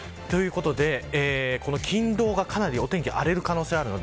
金、土が、かなりお天気が荒れる可能性があります。